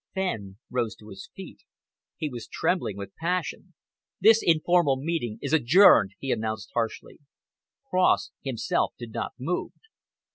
Fenn rose to his feet. He was trembling with passion. "This informal meeting is adjourned," he announced harshly. Cross himself did not move.